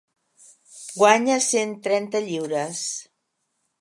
Guanya cent trenta lliures.